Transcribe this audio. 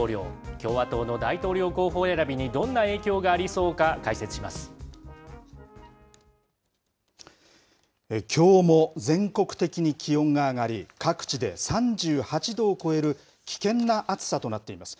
共和党の大統領候補選びにどんなきょうも全国的に気温が上がり、各地で３８度を超える危険な暑さとなっています。